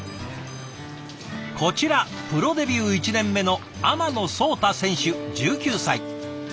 こちらプロデビュー１年目の天野颯大選手１９歳。